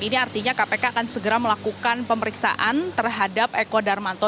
ini artinya kpk akan segera melakukan pemeriksaan terhadap eko darmanto